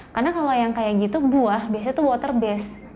karena kalau yang kayak gitu buah biasanya itu water based